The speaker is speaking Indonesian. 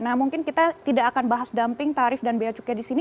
nah mungkin kita tidak akan bahas dumping tarif dan biaya cukai di sini